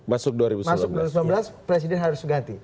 masuk dua ribu sembilan belas presiden harus ganti